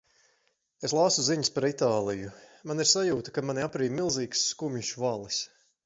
Es lasu ziņas par Itāliju. man ir sajūta, ka mani aprij milzīgs, skumjš valis.